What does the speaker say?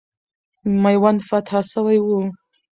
میوند فتح سوی وو.